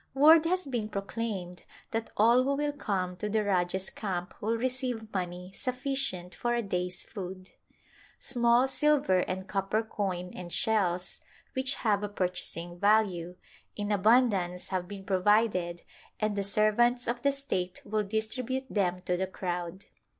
Word has been proclaimed that all who will come to the Rajah's camp will receive money suffi cient for a day's food. Small silver and copper coin and shells — which have a purchasing value — in abun dance have been provided and the servants of the state will distribute them to the crowd.